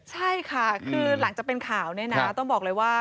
ใช่ค่ะคือหลังจากเป็นข่าวเนี่ยนะต้องบอกเลยว่า